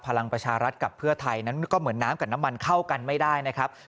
พลังประชารัฐกับเพื่อไทยนั้นก็เหมือนน้ำกับน้ำมันเข้ากันไม่ได้นะครับ